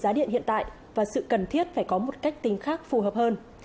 giá điện hiện tại và sự cần thiết phải có một cách tính khác phù hợp hơn